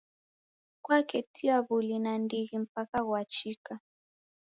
Kwaketia w'uli nandighi mpaka ghwachika.